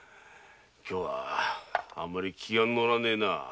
今日はあんまり気が乗らねぇな。